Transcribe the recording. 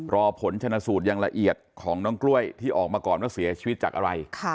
รอผลชนะสูตรอย่างละเอียดของน้องกล้วยที่ออกมาก่อนว่าเสียชีวิตจากอะไร